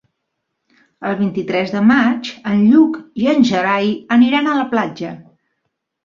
El vint-i-tres de maig en Lluc i en Gerai aniran a la platja.